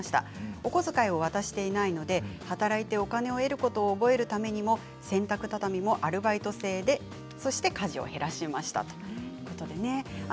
お小遣いを渡していないので働いてお金を得ることを覚えるためにも洗濯畳みもアルバイト制で家事を減らしました。